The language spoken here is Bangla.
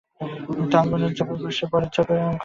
তালবনের ঝোপের মধ্যে বসে পরের সঙ্গে আমি কথা বলি নাকি?